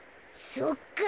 そっか。